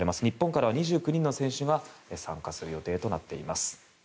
日本からは２９人の選手が参加する予定となっています。